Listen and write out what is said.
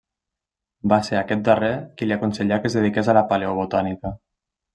Va ser aquest darrer qui li aconsellà que es dediqués a la paleobotànica.